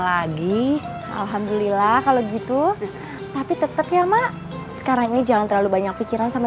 lagi alhamdulillah kalau gitu tapi tetap ya mak sekarang ini jangan terlalu banyak pikiran sama